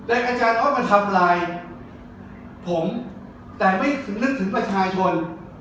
อาจารย์เขามาทำลายผมแต่ไม่ถึงนึกถึงประชาชน